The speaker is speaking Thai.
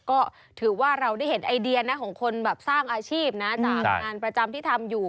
ก็ถือว่าเราได้เห็นไอเดียนะของคนแบบสร้างอาชีพนะจากงานประจำที่ทำอยู่